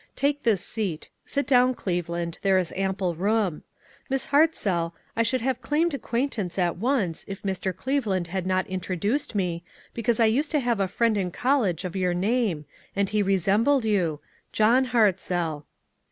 Take this seat. Sit down, SHALL WE TRY ? 95 Cleveland , there h ample room. Mi>* Ilarfc zoll, I should have claimed acquaintance at once, if Mr. Cleveland had not introduced me, because I used to have a friend in college of your name, and he resembled you — John Hartzell."